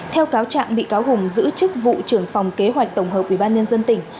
theo cáo trạng bị cáo hùng giữ chức vụ trưởng phòng kế hoạch tổng hợp ubnd tỉnh